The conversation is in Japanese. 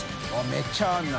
めっちゃあるな。